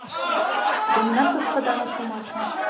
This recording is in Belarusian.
Я не надта складана тлумачу?